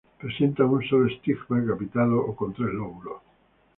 Presenta un solo estigma, capitado o con tres lóbulos.